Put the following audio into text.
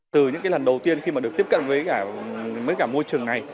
từ những cái lần đầu tiên khi mà được tiếp cận với cả môi trường này